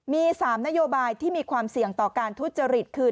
มี๓นโยบายที่มีความเสี่ยงต่อการทุจริตคือ